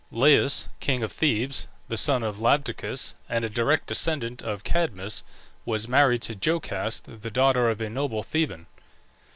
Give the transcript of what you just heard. Laius, king of Thebes, the son of Labdacus, and a direct descendant of Cadmus, was married to Jocaste, the daughter of a noble Theban.